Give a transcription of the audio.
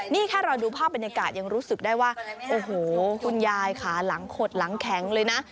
นี่แค่เราดูภาพบรรยากาศยังรู้สึกได้ว่าโอ้โหคุณยายขาหลังขดหลังแข็งเลยนะ